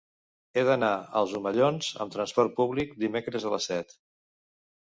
He d'anar als Omellons amb trasport públic dimecres a les set.